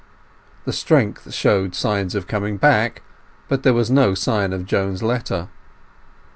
The strength showed signs of coming back, but there was no sign of Joan's letter.